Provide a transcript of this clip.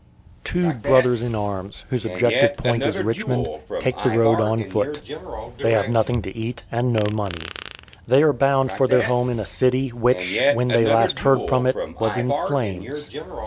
Two "brothers in arms," whose objective point is Richmond, take the road on foot. They have nothing to eat and no money. They are bound for their home in a city, which, when they last heard from it, was in flames.